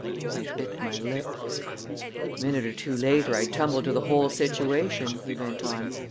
I bit my lip. "A minute or two later I tumbled to the whole situation," he went on.